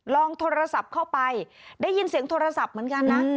ลองโทรศัพท์เข้าไปได้ยินเสียงโทรศัพท์เหมือนกันนะ